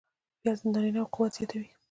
پیاز د نارینه و قوت زیاتوي